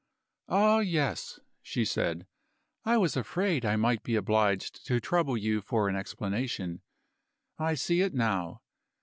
"Ah, yes," she said; "I was afraid I might be obliged to trouble you for an explanation I see it now.